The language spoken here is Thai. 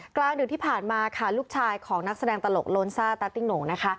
กลางดื่มที่ผ่านมาลูกชายของนักแสดงตลกโลนซ่าตั๊กติ้งโหน่ง